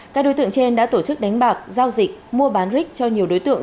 các đối tượng trên đã tổ chức đánh bạc giao dịch mua bán rick cho nhiều đối tượng